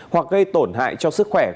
hoặc gây tổn hại cho sức khỏe